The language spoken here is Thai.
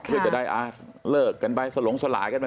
เพื่อจะได้เลิกกันไปสลงสลายกันไป